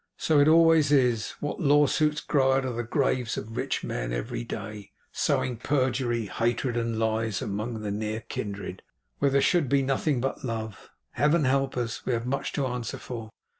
So it always is. What lawsuits grow out of the graves of rich men, every day; sowing perjury, hatred, and lies among near kindred, where there should be nothing but love! Heaven help us, we have much to answer for!